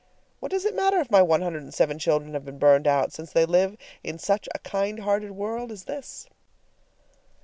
What does it matter if my one hundred and seven children have been burned out, since they live in such a kind hearted world as this?